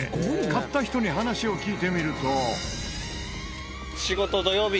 買った人に話を聞いてみると。